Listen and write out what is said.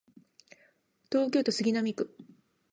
東京都杉並区